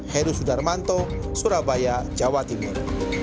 heru sudarmanto surabaya jawa timur